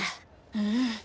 うん。